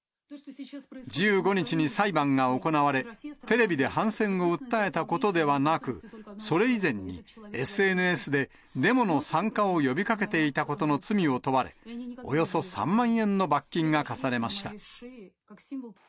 １５日に裁判が行われ、テレビで反戦を訴えたことではなく、それ以前に、ＳＮＳでデモの参加を呼びかけていたことの罪を問われ、およそ３万円の罰金が科されました。